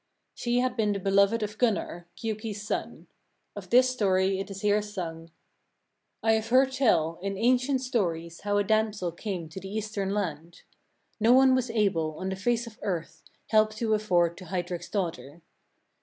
She had been the beloved of Gunnar, Giuki's son. Of this story it is here sung: 1. I have heard tell, in ancient stories how a damsel came to the eastern land: no one was able, on the face of earth, help to afford to Heidrek's daughter.